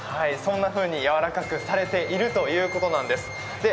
そんなふうにやわらかくされているというそうなんです。